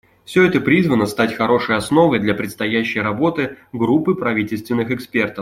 Все это призвано стать хорошей основой для предстоящей работы группы правительственных экспертов.